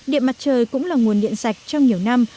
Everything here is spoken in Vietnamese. điện mặt trời cũng là nguồn điện sạch trong nhiều năm